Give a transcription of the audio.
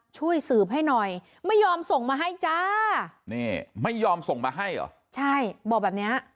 ช่วยสืบให้หน่อยไม่ยอมส่งมาให้จ้านี่ไม่ยอมส่งมาให้เหรอใช่บอกแบบเนี้ย